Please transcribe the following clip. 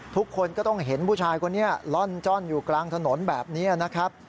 ทุกคนก็ต้องเห็นผู้ชายคนนี้ล่อนจ้อนอยู่กลางถนนแบบนี้นะครับ